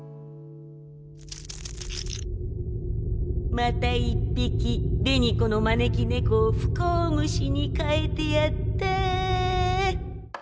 また一匹紅子の招き猫を不幸虫に変えてやった。